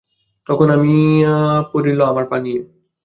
তখন অমিয়া পড়ল আমার পা নিয়ে।